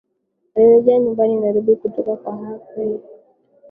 alirejea nyumbani nairobi akitokea the haque uholanzi yalipo makao makuu ya mahakama